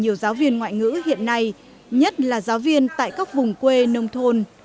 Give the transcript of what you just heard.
nhiều giáo viên ngoại ngữ hiện nay nhất là giáo viên tại các vùng quê nông thôn